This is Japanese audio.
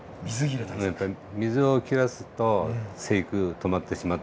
やっぱり水を切らすと生育止まってしまったりね。